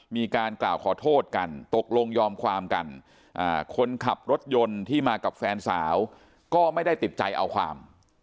มีการกล่าวขอโทษกันตกลงยอมความกันคนขับรถยนต์ที่มากับแฟนสาวก็ไม่ได้ติดใจเอาความ